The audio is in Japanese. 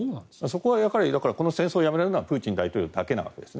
そこはこの戦争をやめられるのはプーチン大統領だけなわけです。